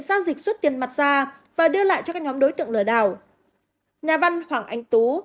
giao dịch rút tiền mặt ra và đưa lại cho các nhóm đối tượng lừa đảo nhà văn hoàng anh tú